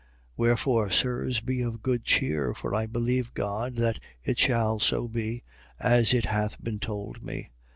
27:25. Wherefore, sirs, be of good cheer: for I believe God, that it shall so be, as it hath been told me.